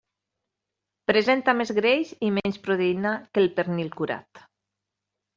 Presenta més greix i menys proteïna que el pernil curat.